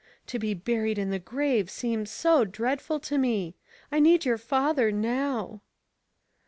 To be buried in the grave seems so dreadful to me. I need your father now."